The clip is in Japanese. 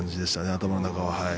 頭の中は。